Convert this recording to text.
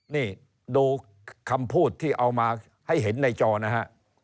นี่ดูคำพูดที่เอามาให้เห็นในจอนะฮะ